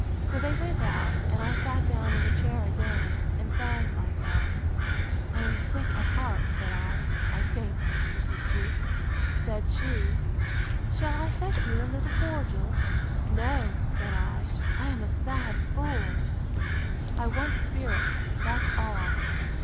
So they went out, and I sat down in the chair again, and fanned myself: I am sick at heart, said I, I think, Mrs. Jewkes. Said she, Shall I fetch you a little cordial?—No, said I, I am a sad fool! I want spirits, that's all.